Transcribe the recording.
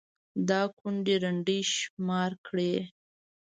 دا كونـډې رنـډې شمار كړئ